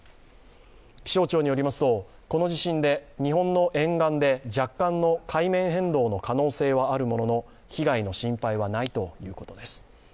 気象庁によりますとこの地震で日本の沿岸で若干の海面変動の可能性はあるものの被害の心配はないということです。